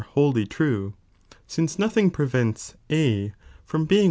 wholly true, since nothing prevents A from being f»i»».